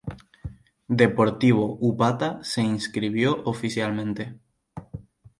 Deportivo Upata se inscribió oficialmente